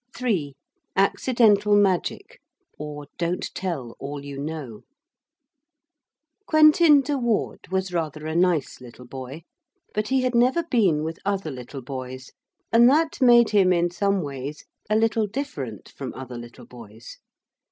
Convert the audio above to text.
] III ACCIDENTAL MAGIC; OR DON'T TELL ALL YOU KNOW Quentin de Ward was rather a nice little boy, but he had never been with other little boys, and that made him in some ways a little different from other little boys.